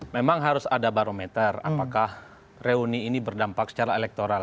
memang harus ada barometer apakah reuni ini berdampak secara elektoral